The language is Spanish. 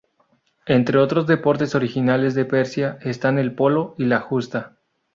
Entre otros deportes originales de Persia están el polo y la justa.